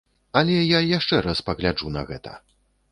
Але я яшчэ раз пагляджу на гэта.